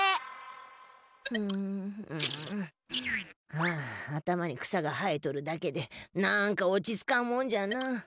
はあ頭に草が生えとるだけでなんか落ち着かんもんじゃなあ。